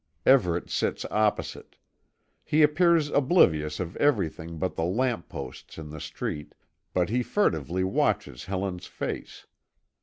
Everet sits opposite. He appears oblivious of everything but the lamp posts in the street, but he furtively watches Helen's face.